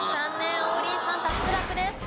王林さん脱落です。